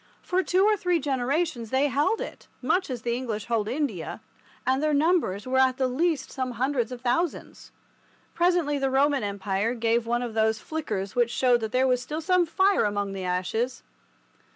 For two or three generations they held it, much as the English hold India, and their numbers were at the least some hundreds of thousands. Presently the Roman Empire gave one of those flickers which showed that there was still some fire among the ashes.